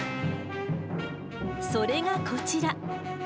それがこちら。